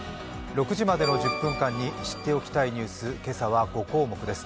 ６時までの１０分間に知っておきたいニュース、今朝は５項目です。